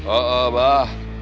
oh oh bah